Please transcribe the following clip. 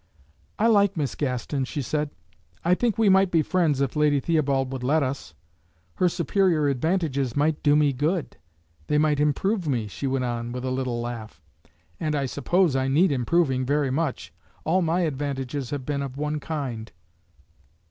"I like Miss Gaston," she said. "I think we might be friends if Lady Theobald would let us. Her superior advantages might do me good. They might improve me," she went on, with a little laugh, "and I suppose I need improving very much. All my advantages have been of one kind."